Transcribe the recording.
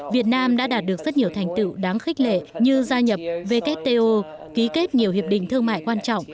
việt nam đã đạt được rất nhiều thành tựu đáng khích lệ như gia nhập wto ký kết nhiều hiệp định thương mại quan trọng